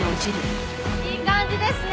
いい感じですね。